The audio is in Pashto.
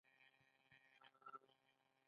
رقابتونو له امله جرأت نه لري.